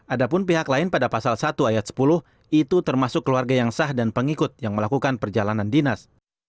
ada pun pihak lain pada pasal satu ayat sepuluh itu termasuk keluarga yang sah dan pengikut yang melakukan perjalanan dinas